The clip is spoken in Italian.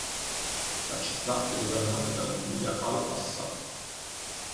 La città è governata dalla famiglia Al A'ssaf.